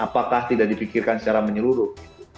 apakah tidak dipikirkan secara menyeluruh